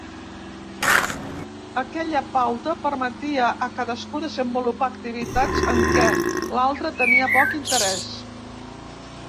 Aquella pauta permetia a cadascú desenvolupar activitats en què l'altre tenia poc interès.